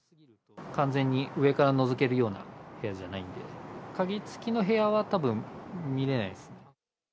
完全に上からのぞけるような部屋じゃないんで、鍵付きの部屋は、多分見えないです。